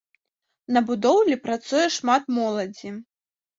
На будоўлі працуе шмат моладзі.